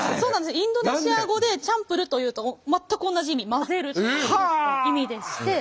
インドネシア語でチャンプルというと全く同じ意味混ぜるという意味でして。